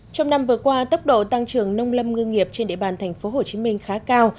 trong năm vừa qua tốc độ tăng trưởng nông lâm ngư nghiệp trên địa bàn thành phố hồ chí minh khá cao